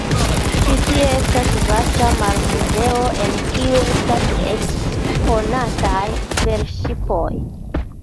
Ĉi tie estas vasta marmuzeo, en kiu estas eksponataj velŝipoj.